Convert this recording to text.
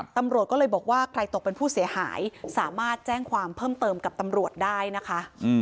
ตำรวจก็เลยบอกว่าใครตกเป็นผู้เสียหายสามารถแจ้งความเพิ่มเติมกับตำรวจได้นะคะ